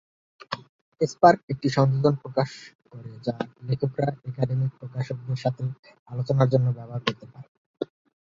Spark একটি সংযোজন প্রকাশ করে যা লেখকরা একাডেমিক প্রকাশকদের সাথে আলোচনার জন্য ব্যবহার করতে পারেন।